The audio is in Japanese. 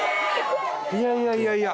いやいやいやいや。